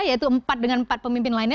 yaitu empat dengan empat pemimpin lainnya